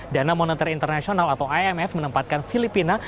dana moneter internasional atau imf menempatkan filipina